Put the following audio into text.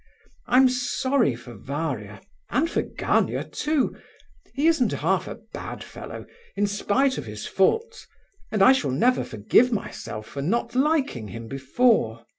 I'm sorry for Varia, and for Gania too; he isn't half a bad fellow, in spite of his faults, and I shall never forgive myself for not liking him before!